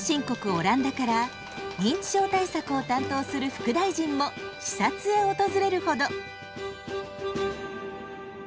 オランダから認知症対策を担当する副大臣も視察へ訪れるほど。